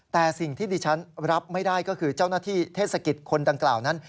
แต่สิ่งที่ดิฉันรับไม่ได้ก็คือเจ้าหน้าที่เทศกิจคนดังกล่าวนั้น